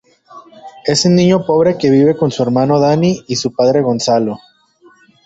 Es un niño pobre que vive con su hermano Dany y su padre Gonzalo.